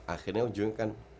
akhirnya ujungnya kan